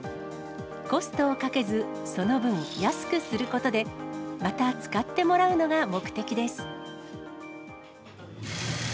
コストをかけず、その分、安くすることで、また使ってもらうのが目的です。